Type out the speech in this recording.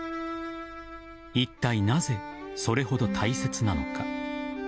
いったい、なぜそれほど大切なのか。